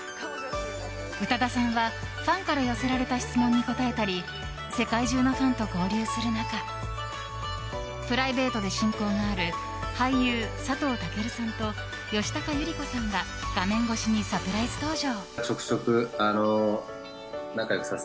宇多田さんは、ファンから寄せられた質問に答えたり世界中のファンと交流する中プライベートで親交がある俳優・佐藤健さんと吉高由里子さんが画面越しにサプライズ登場。